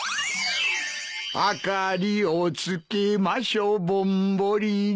「あかりをつけましょぼんぼりに」